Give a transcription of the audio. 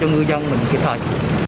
ngư dân mình kịp thời